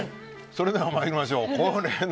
それでは参りましょう。